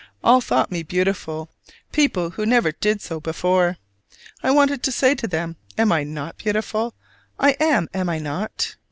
All thought me beautiful: people who never did so before. I wanted to say to them, "Am I not beautiful? I am, am I not?"